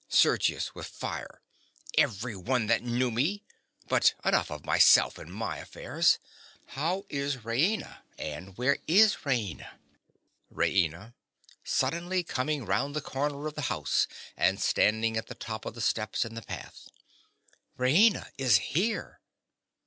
SERGIUS. (with fire). Everyone that knew me. But enough of myself and my affairs. How is Raina; and where is Raina? RAINA. (suddenly coming round the corner of the house and standing at the top of the steps in the path). Raina is here.